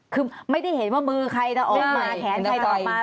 คือไม่ได้เห็นว่ามือใครจะออกมาแขนใครจะออกมา